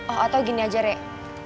oh atau gini aja rek